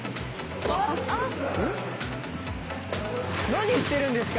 何してるんですか？